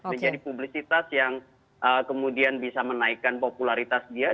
menjadi publisitas yang kemudian bisa menaikkan popularitas dia